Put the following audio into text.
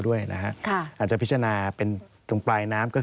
สวัสดีค่ะที่จอมฝันครับ